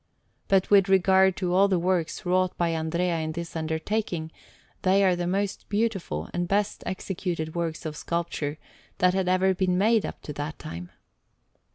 But with regard to all the works wrought by Andrea in this undertaking, they are the most beautiful and best executed works of sculpture that had ever been made up to that time.